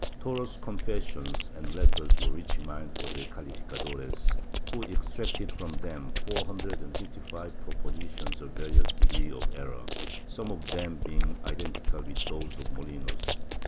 Toro's confessions and letters were a rich mine for the calificadores, who extracted from them four hundred and fifty five propositions of various degrees of error— some of them being identical with those of Molinos.